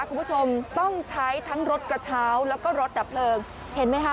คุณผู้ชมต้องใช้ทั้งรถกระเช้าแล้วก็รถดับเพลิงเห็นไหมคะ